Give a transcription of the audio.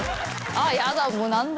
あっやだ